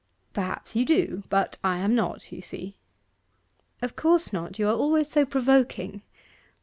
'Perhaps you do. But I am not, you see.' 'Of course not, you are always so provoking.